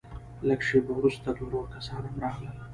لږه شېبه وروسته دوه نور کسان هم راغلل.